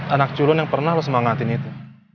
anak curun yang pernah lo semangatin itu